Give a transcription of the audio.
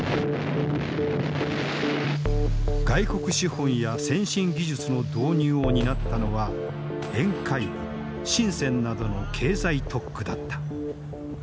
外国資本や先進技術の導入を担ったのは沿海部深などの経済特区だった。